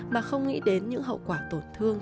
mà không nghĩ đến những hậu quả tổn thương